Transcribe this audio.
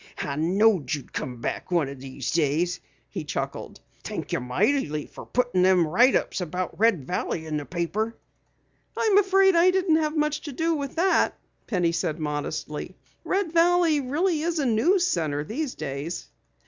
I knowed you'd come back one o' these days," he chuckled. "Thank ye mightily fer puttin' them write ups about Red Valley in the paper." "I'm afraid I didn't have much to do with it," Penny said modestly. "Red Valley really is a news center these days."